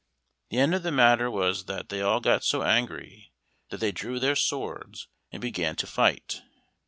The end of the matter was that they all got so angry that they drew their swords and began to fight.